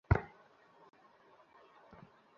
তার মানে, বড়শিতে ভালই মাছ গেঁথেছ।